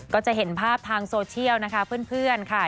ก็จะเห็นภาพทางโซเชียลนะคะเพื่อนค่ะ